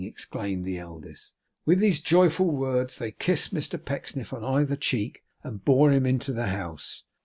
exclaimed the eldest. With these joyful words they kissed Mr Pecksniff on either cheek; and bore him into the house.